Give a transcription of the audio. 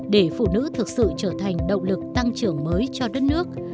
để phụ nữ thực sự trở thành động lực tăng trưởng mới cho đất nước